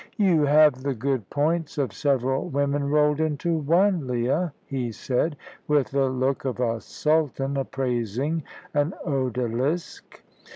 "You have the good points of several women rolled into one, Leah," he said, with the look of a sultan appraising an odalisque.